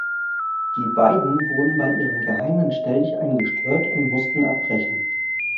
Die beiden wurden bei ihrem geheimen Stelldichein gestört und mussten abbrechen.